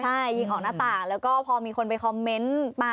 ใช่ยิงออกหน้าต่างแล้วก็พอมีคนไปคอมเมนต์มา